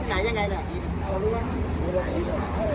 แบบนี้ในละตานะครับ